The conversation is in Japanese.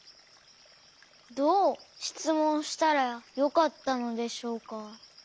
どうしつもんしたらよかったのでしょうか。